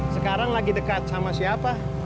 sekarang lagi dekat sama siapa